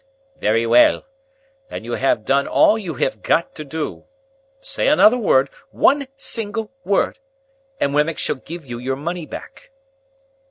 "Very well. Then you have done all you have got to do. Say another word—one single word—and Wemmick shall give you your money back."